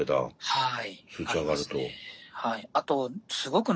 はい。